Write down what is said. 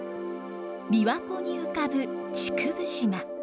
琵琶湖に浮かぶ竹生島。